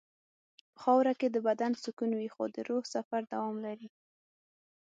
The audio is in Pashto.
په خاوره کې د بدن سکون وي خو د روح سفر دوام لري.